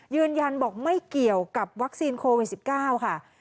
ยืนยันบอกไม่เกี่ยวกับวัคซีนโควิด๑๙ค่ะ